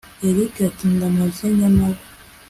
erick ati ndamaze nyamara